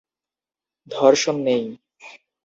‘ধর্ষণ নেই।’